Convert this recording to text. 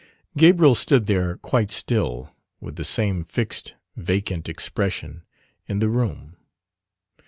Gabriel stood there quite still, with the same fixed vacant expression, in the room.